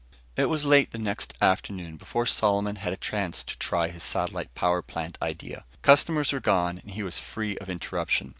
It was late the next afternoon before Solomon had a chance to try his satellite power plant idea. Customers were gone and he was free of interruption.